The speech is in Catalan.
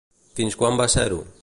Fins quan va ser-ho?